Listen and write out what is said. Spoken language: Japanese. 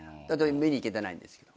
見に行けてないんですよ。